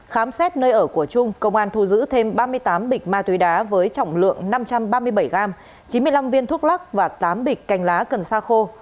khám xét nơi ở của trung công an thu giữ thêm ba mươi tám bịch ma túy đá với trọng lượng năm trăm ba mươi bảy gram chín mươi năm viên thuốc lắc và tám bịch cành lá cần sa khô